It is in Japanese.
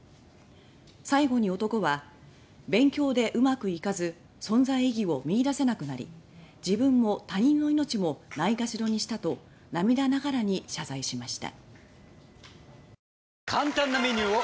最後に男は「勉強でうまくいかず存在意義を見出せなくなり自分も他人の命もないがしろにした」と涙ながらに謝罪しました。